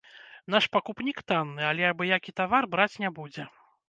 Наш пакупнік танны, але абы-які тавар браць не будзе.